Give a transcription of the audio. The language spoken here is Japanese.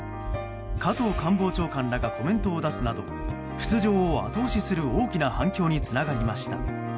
加藤官房長官らがコメントを出すなど出場を後押しする大きな反響につながりました。